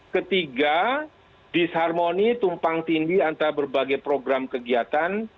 ketiga disharmony tumpang tinggi antara berbagai program kegiatan